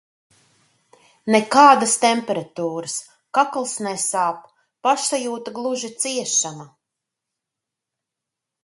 Nekādas temperatūras, kakls nesāp, pašsajūta gluži ciešama.